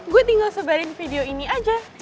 gue tinggal sebarin video ini aja